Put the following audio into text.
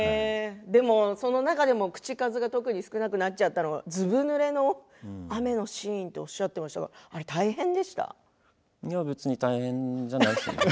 その中でも口かずが特に少なくなっちゃったのはずぶぬれでの雨のシーンとおっしゃってましたけどいや別に大変じゃないです。